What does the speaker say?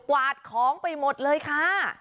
วาดของไปหมดเลยค่ะ